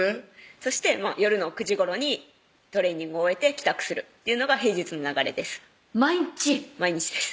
そして夜の９時頃にトレーニングを終えて帰宅するっていうのが平日の流れです毎日毎日です